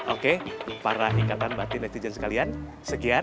oke para ikatan batin netizen sekalian sekian